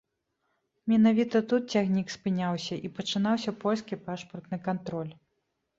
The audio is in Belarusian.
Менавіта тут цягнік спыняўся, і пачынаўся польскі пашпартны кантроль.